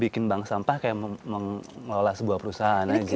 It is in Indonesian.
bikin bank sampah seperti mengelola sebuah perusahaan saja